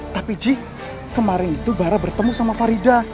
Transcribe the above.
tapi ji kemarin itu barak bertemu sama farida